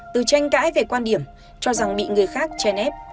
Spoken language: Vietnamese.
từ tranh cãi về quan điểm cho rằng bị người khác che nếp